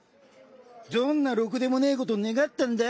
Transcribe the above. どんなろくでもねぇこと願ったんだ？